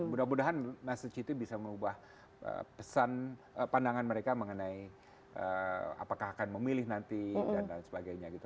mudah mudahan masjid itu bisa mengubah pesan pandangan mereka mengenai apakah akan memilih nanti dan lain sebagainya gitu